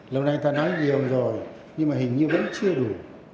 lâu nay ta nói nhiều rồi nhưng mà hình như vẫn chưa đủ